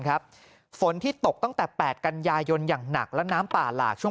ฝนที่ตกตั้งแต่๘กันยายนอย่างหนักและน้ำป่าหลากช่วง